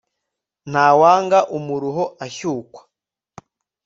ntawanga umuruho ashyukwa